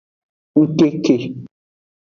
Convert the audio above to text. Ngkeke.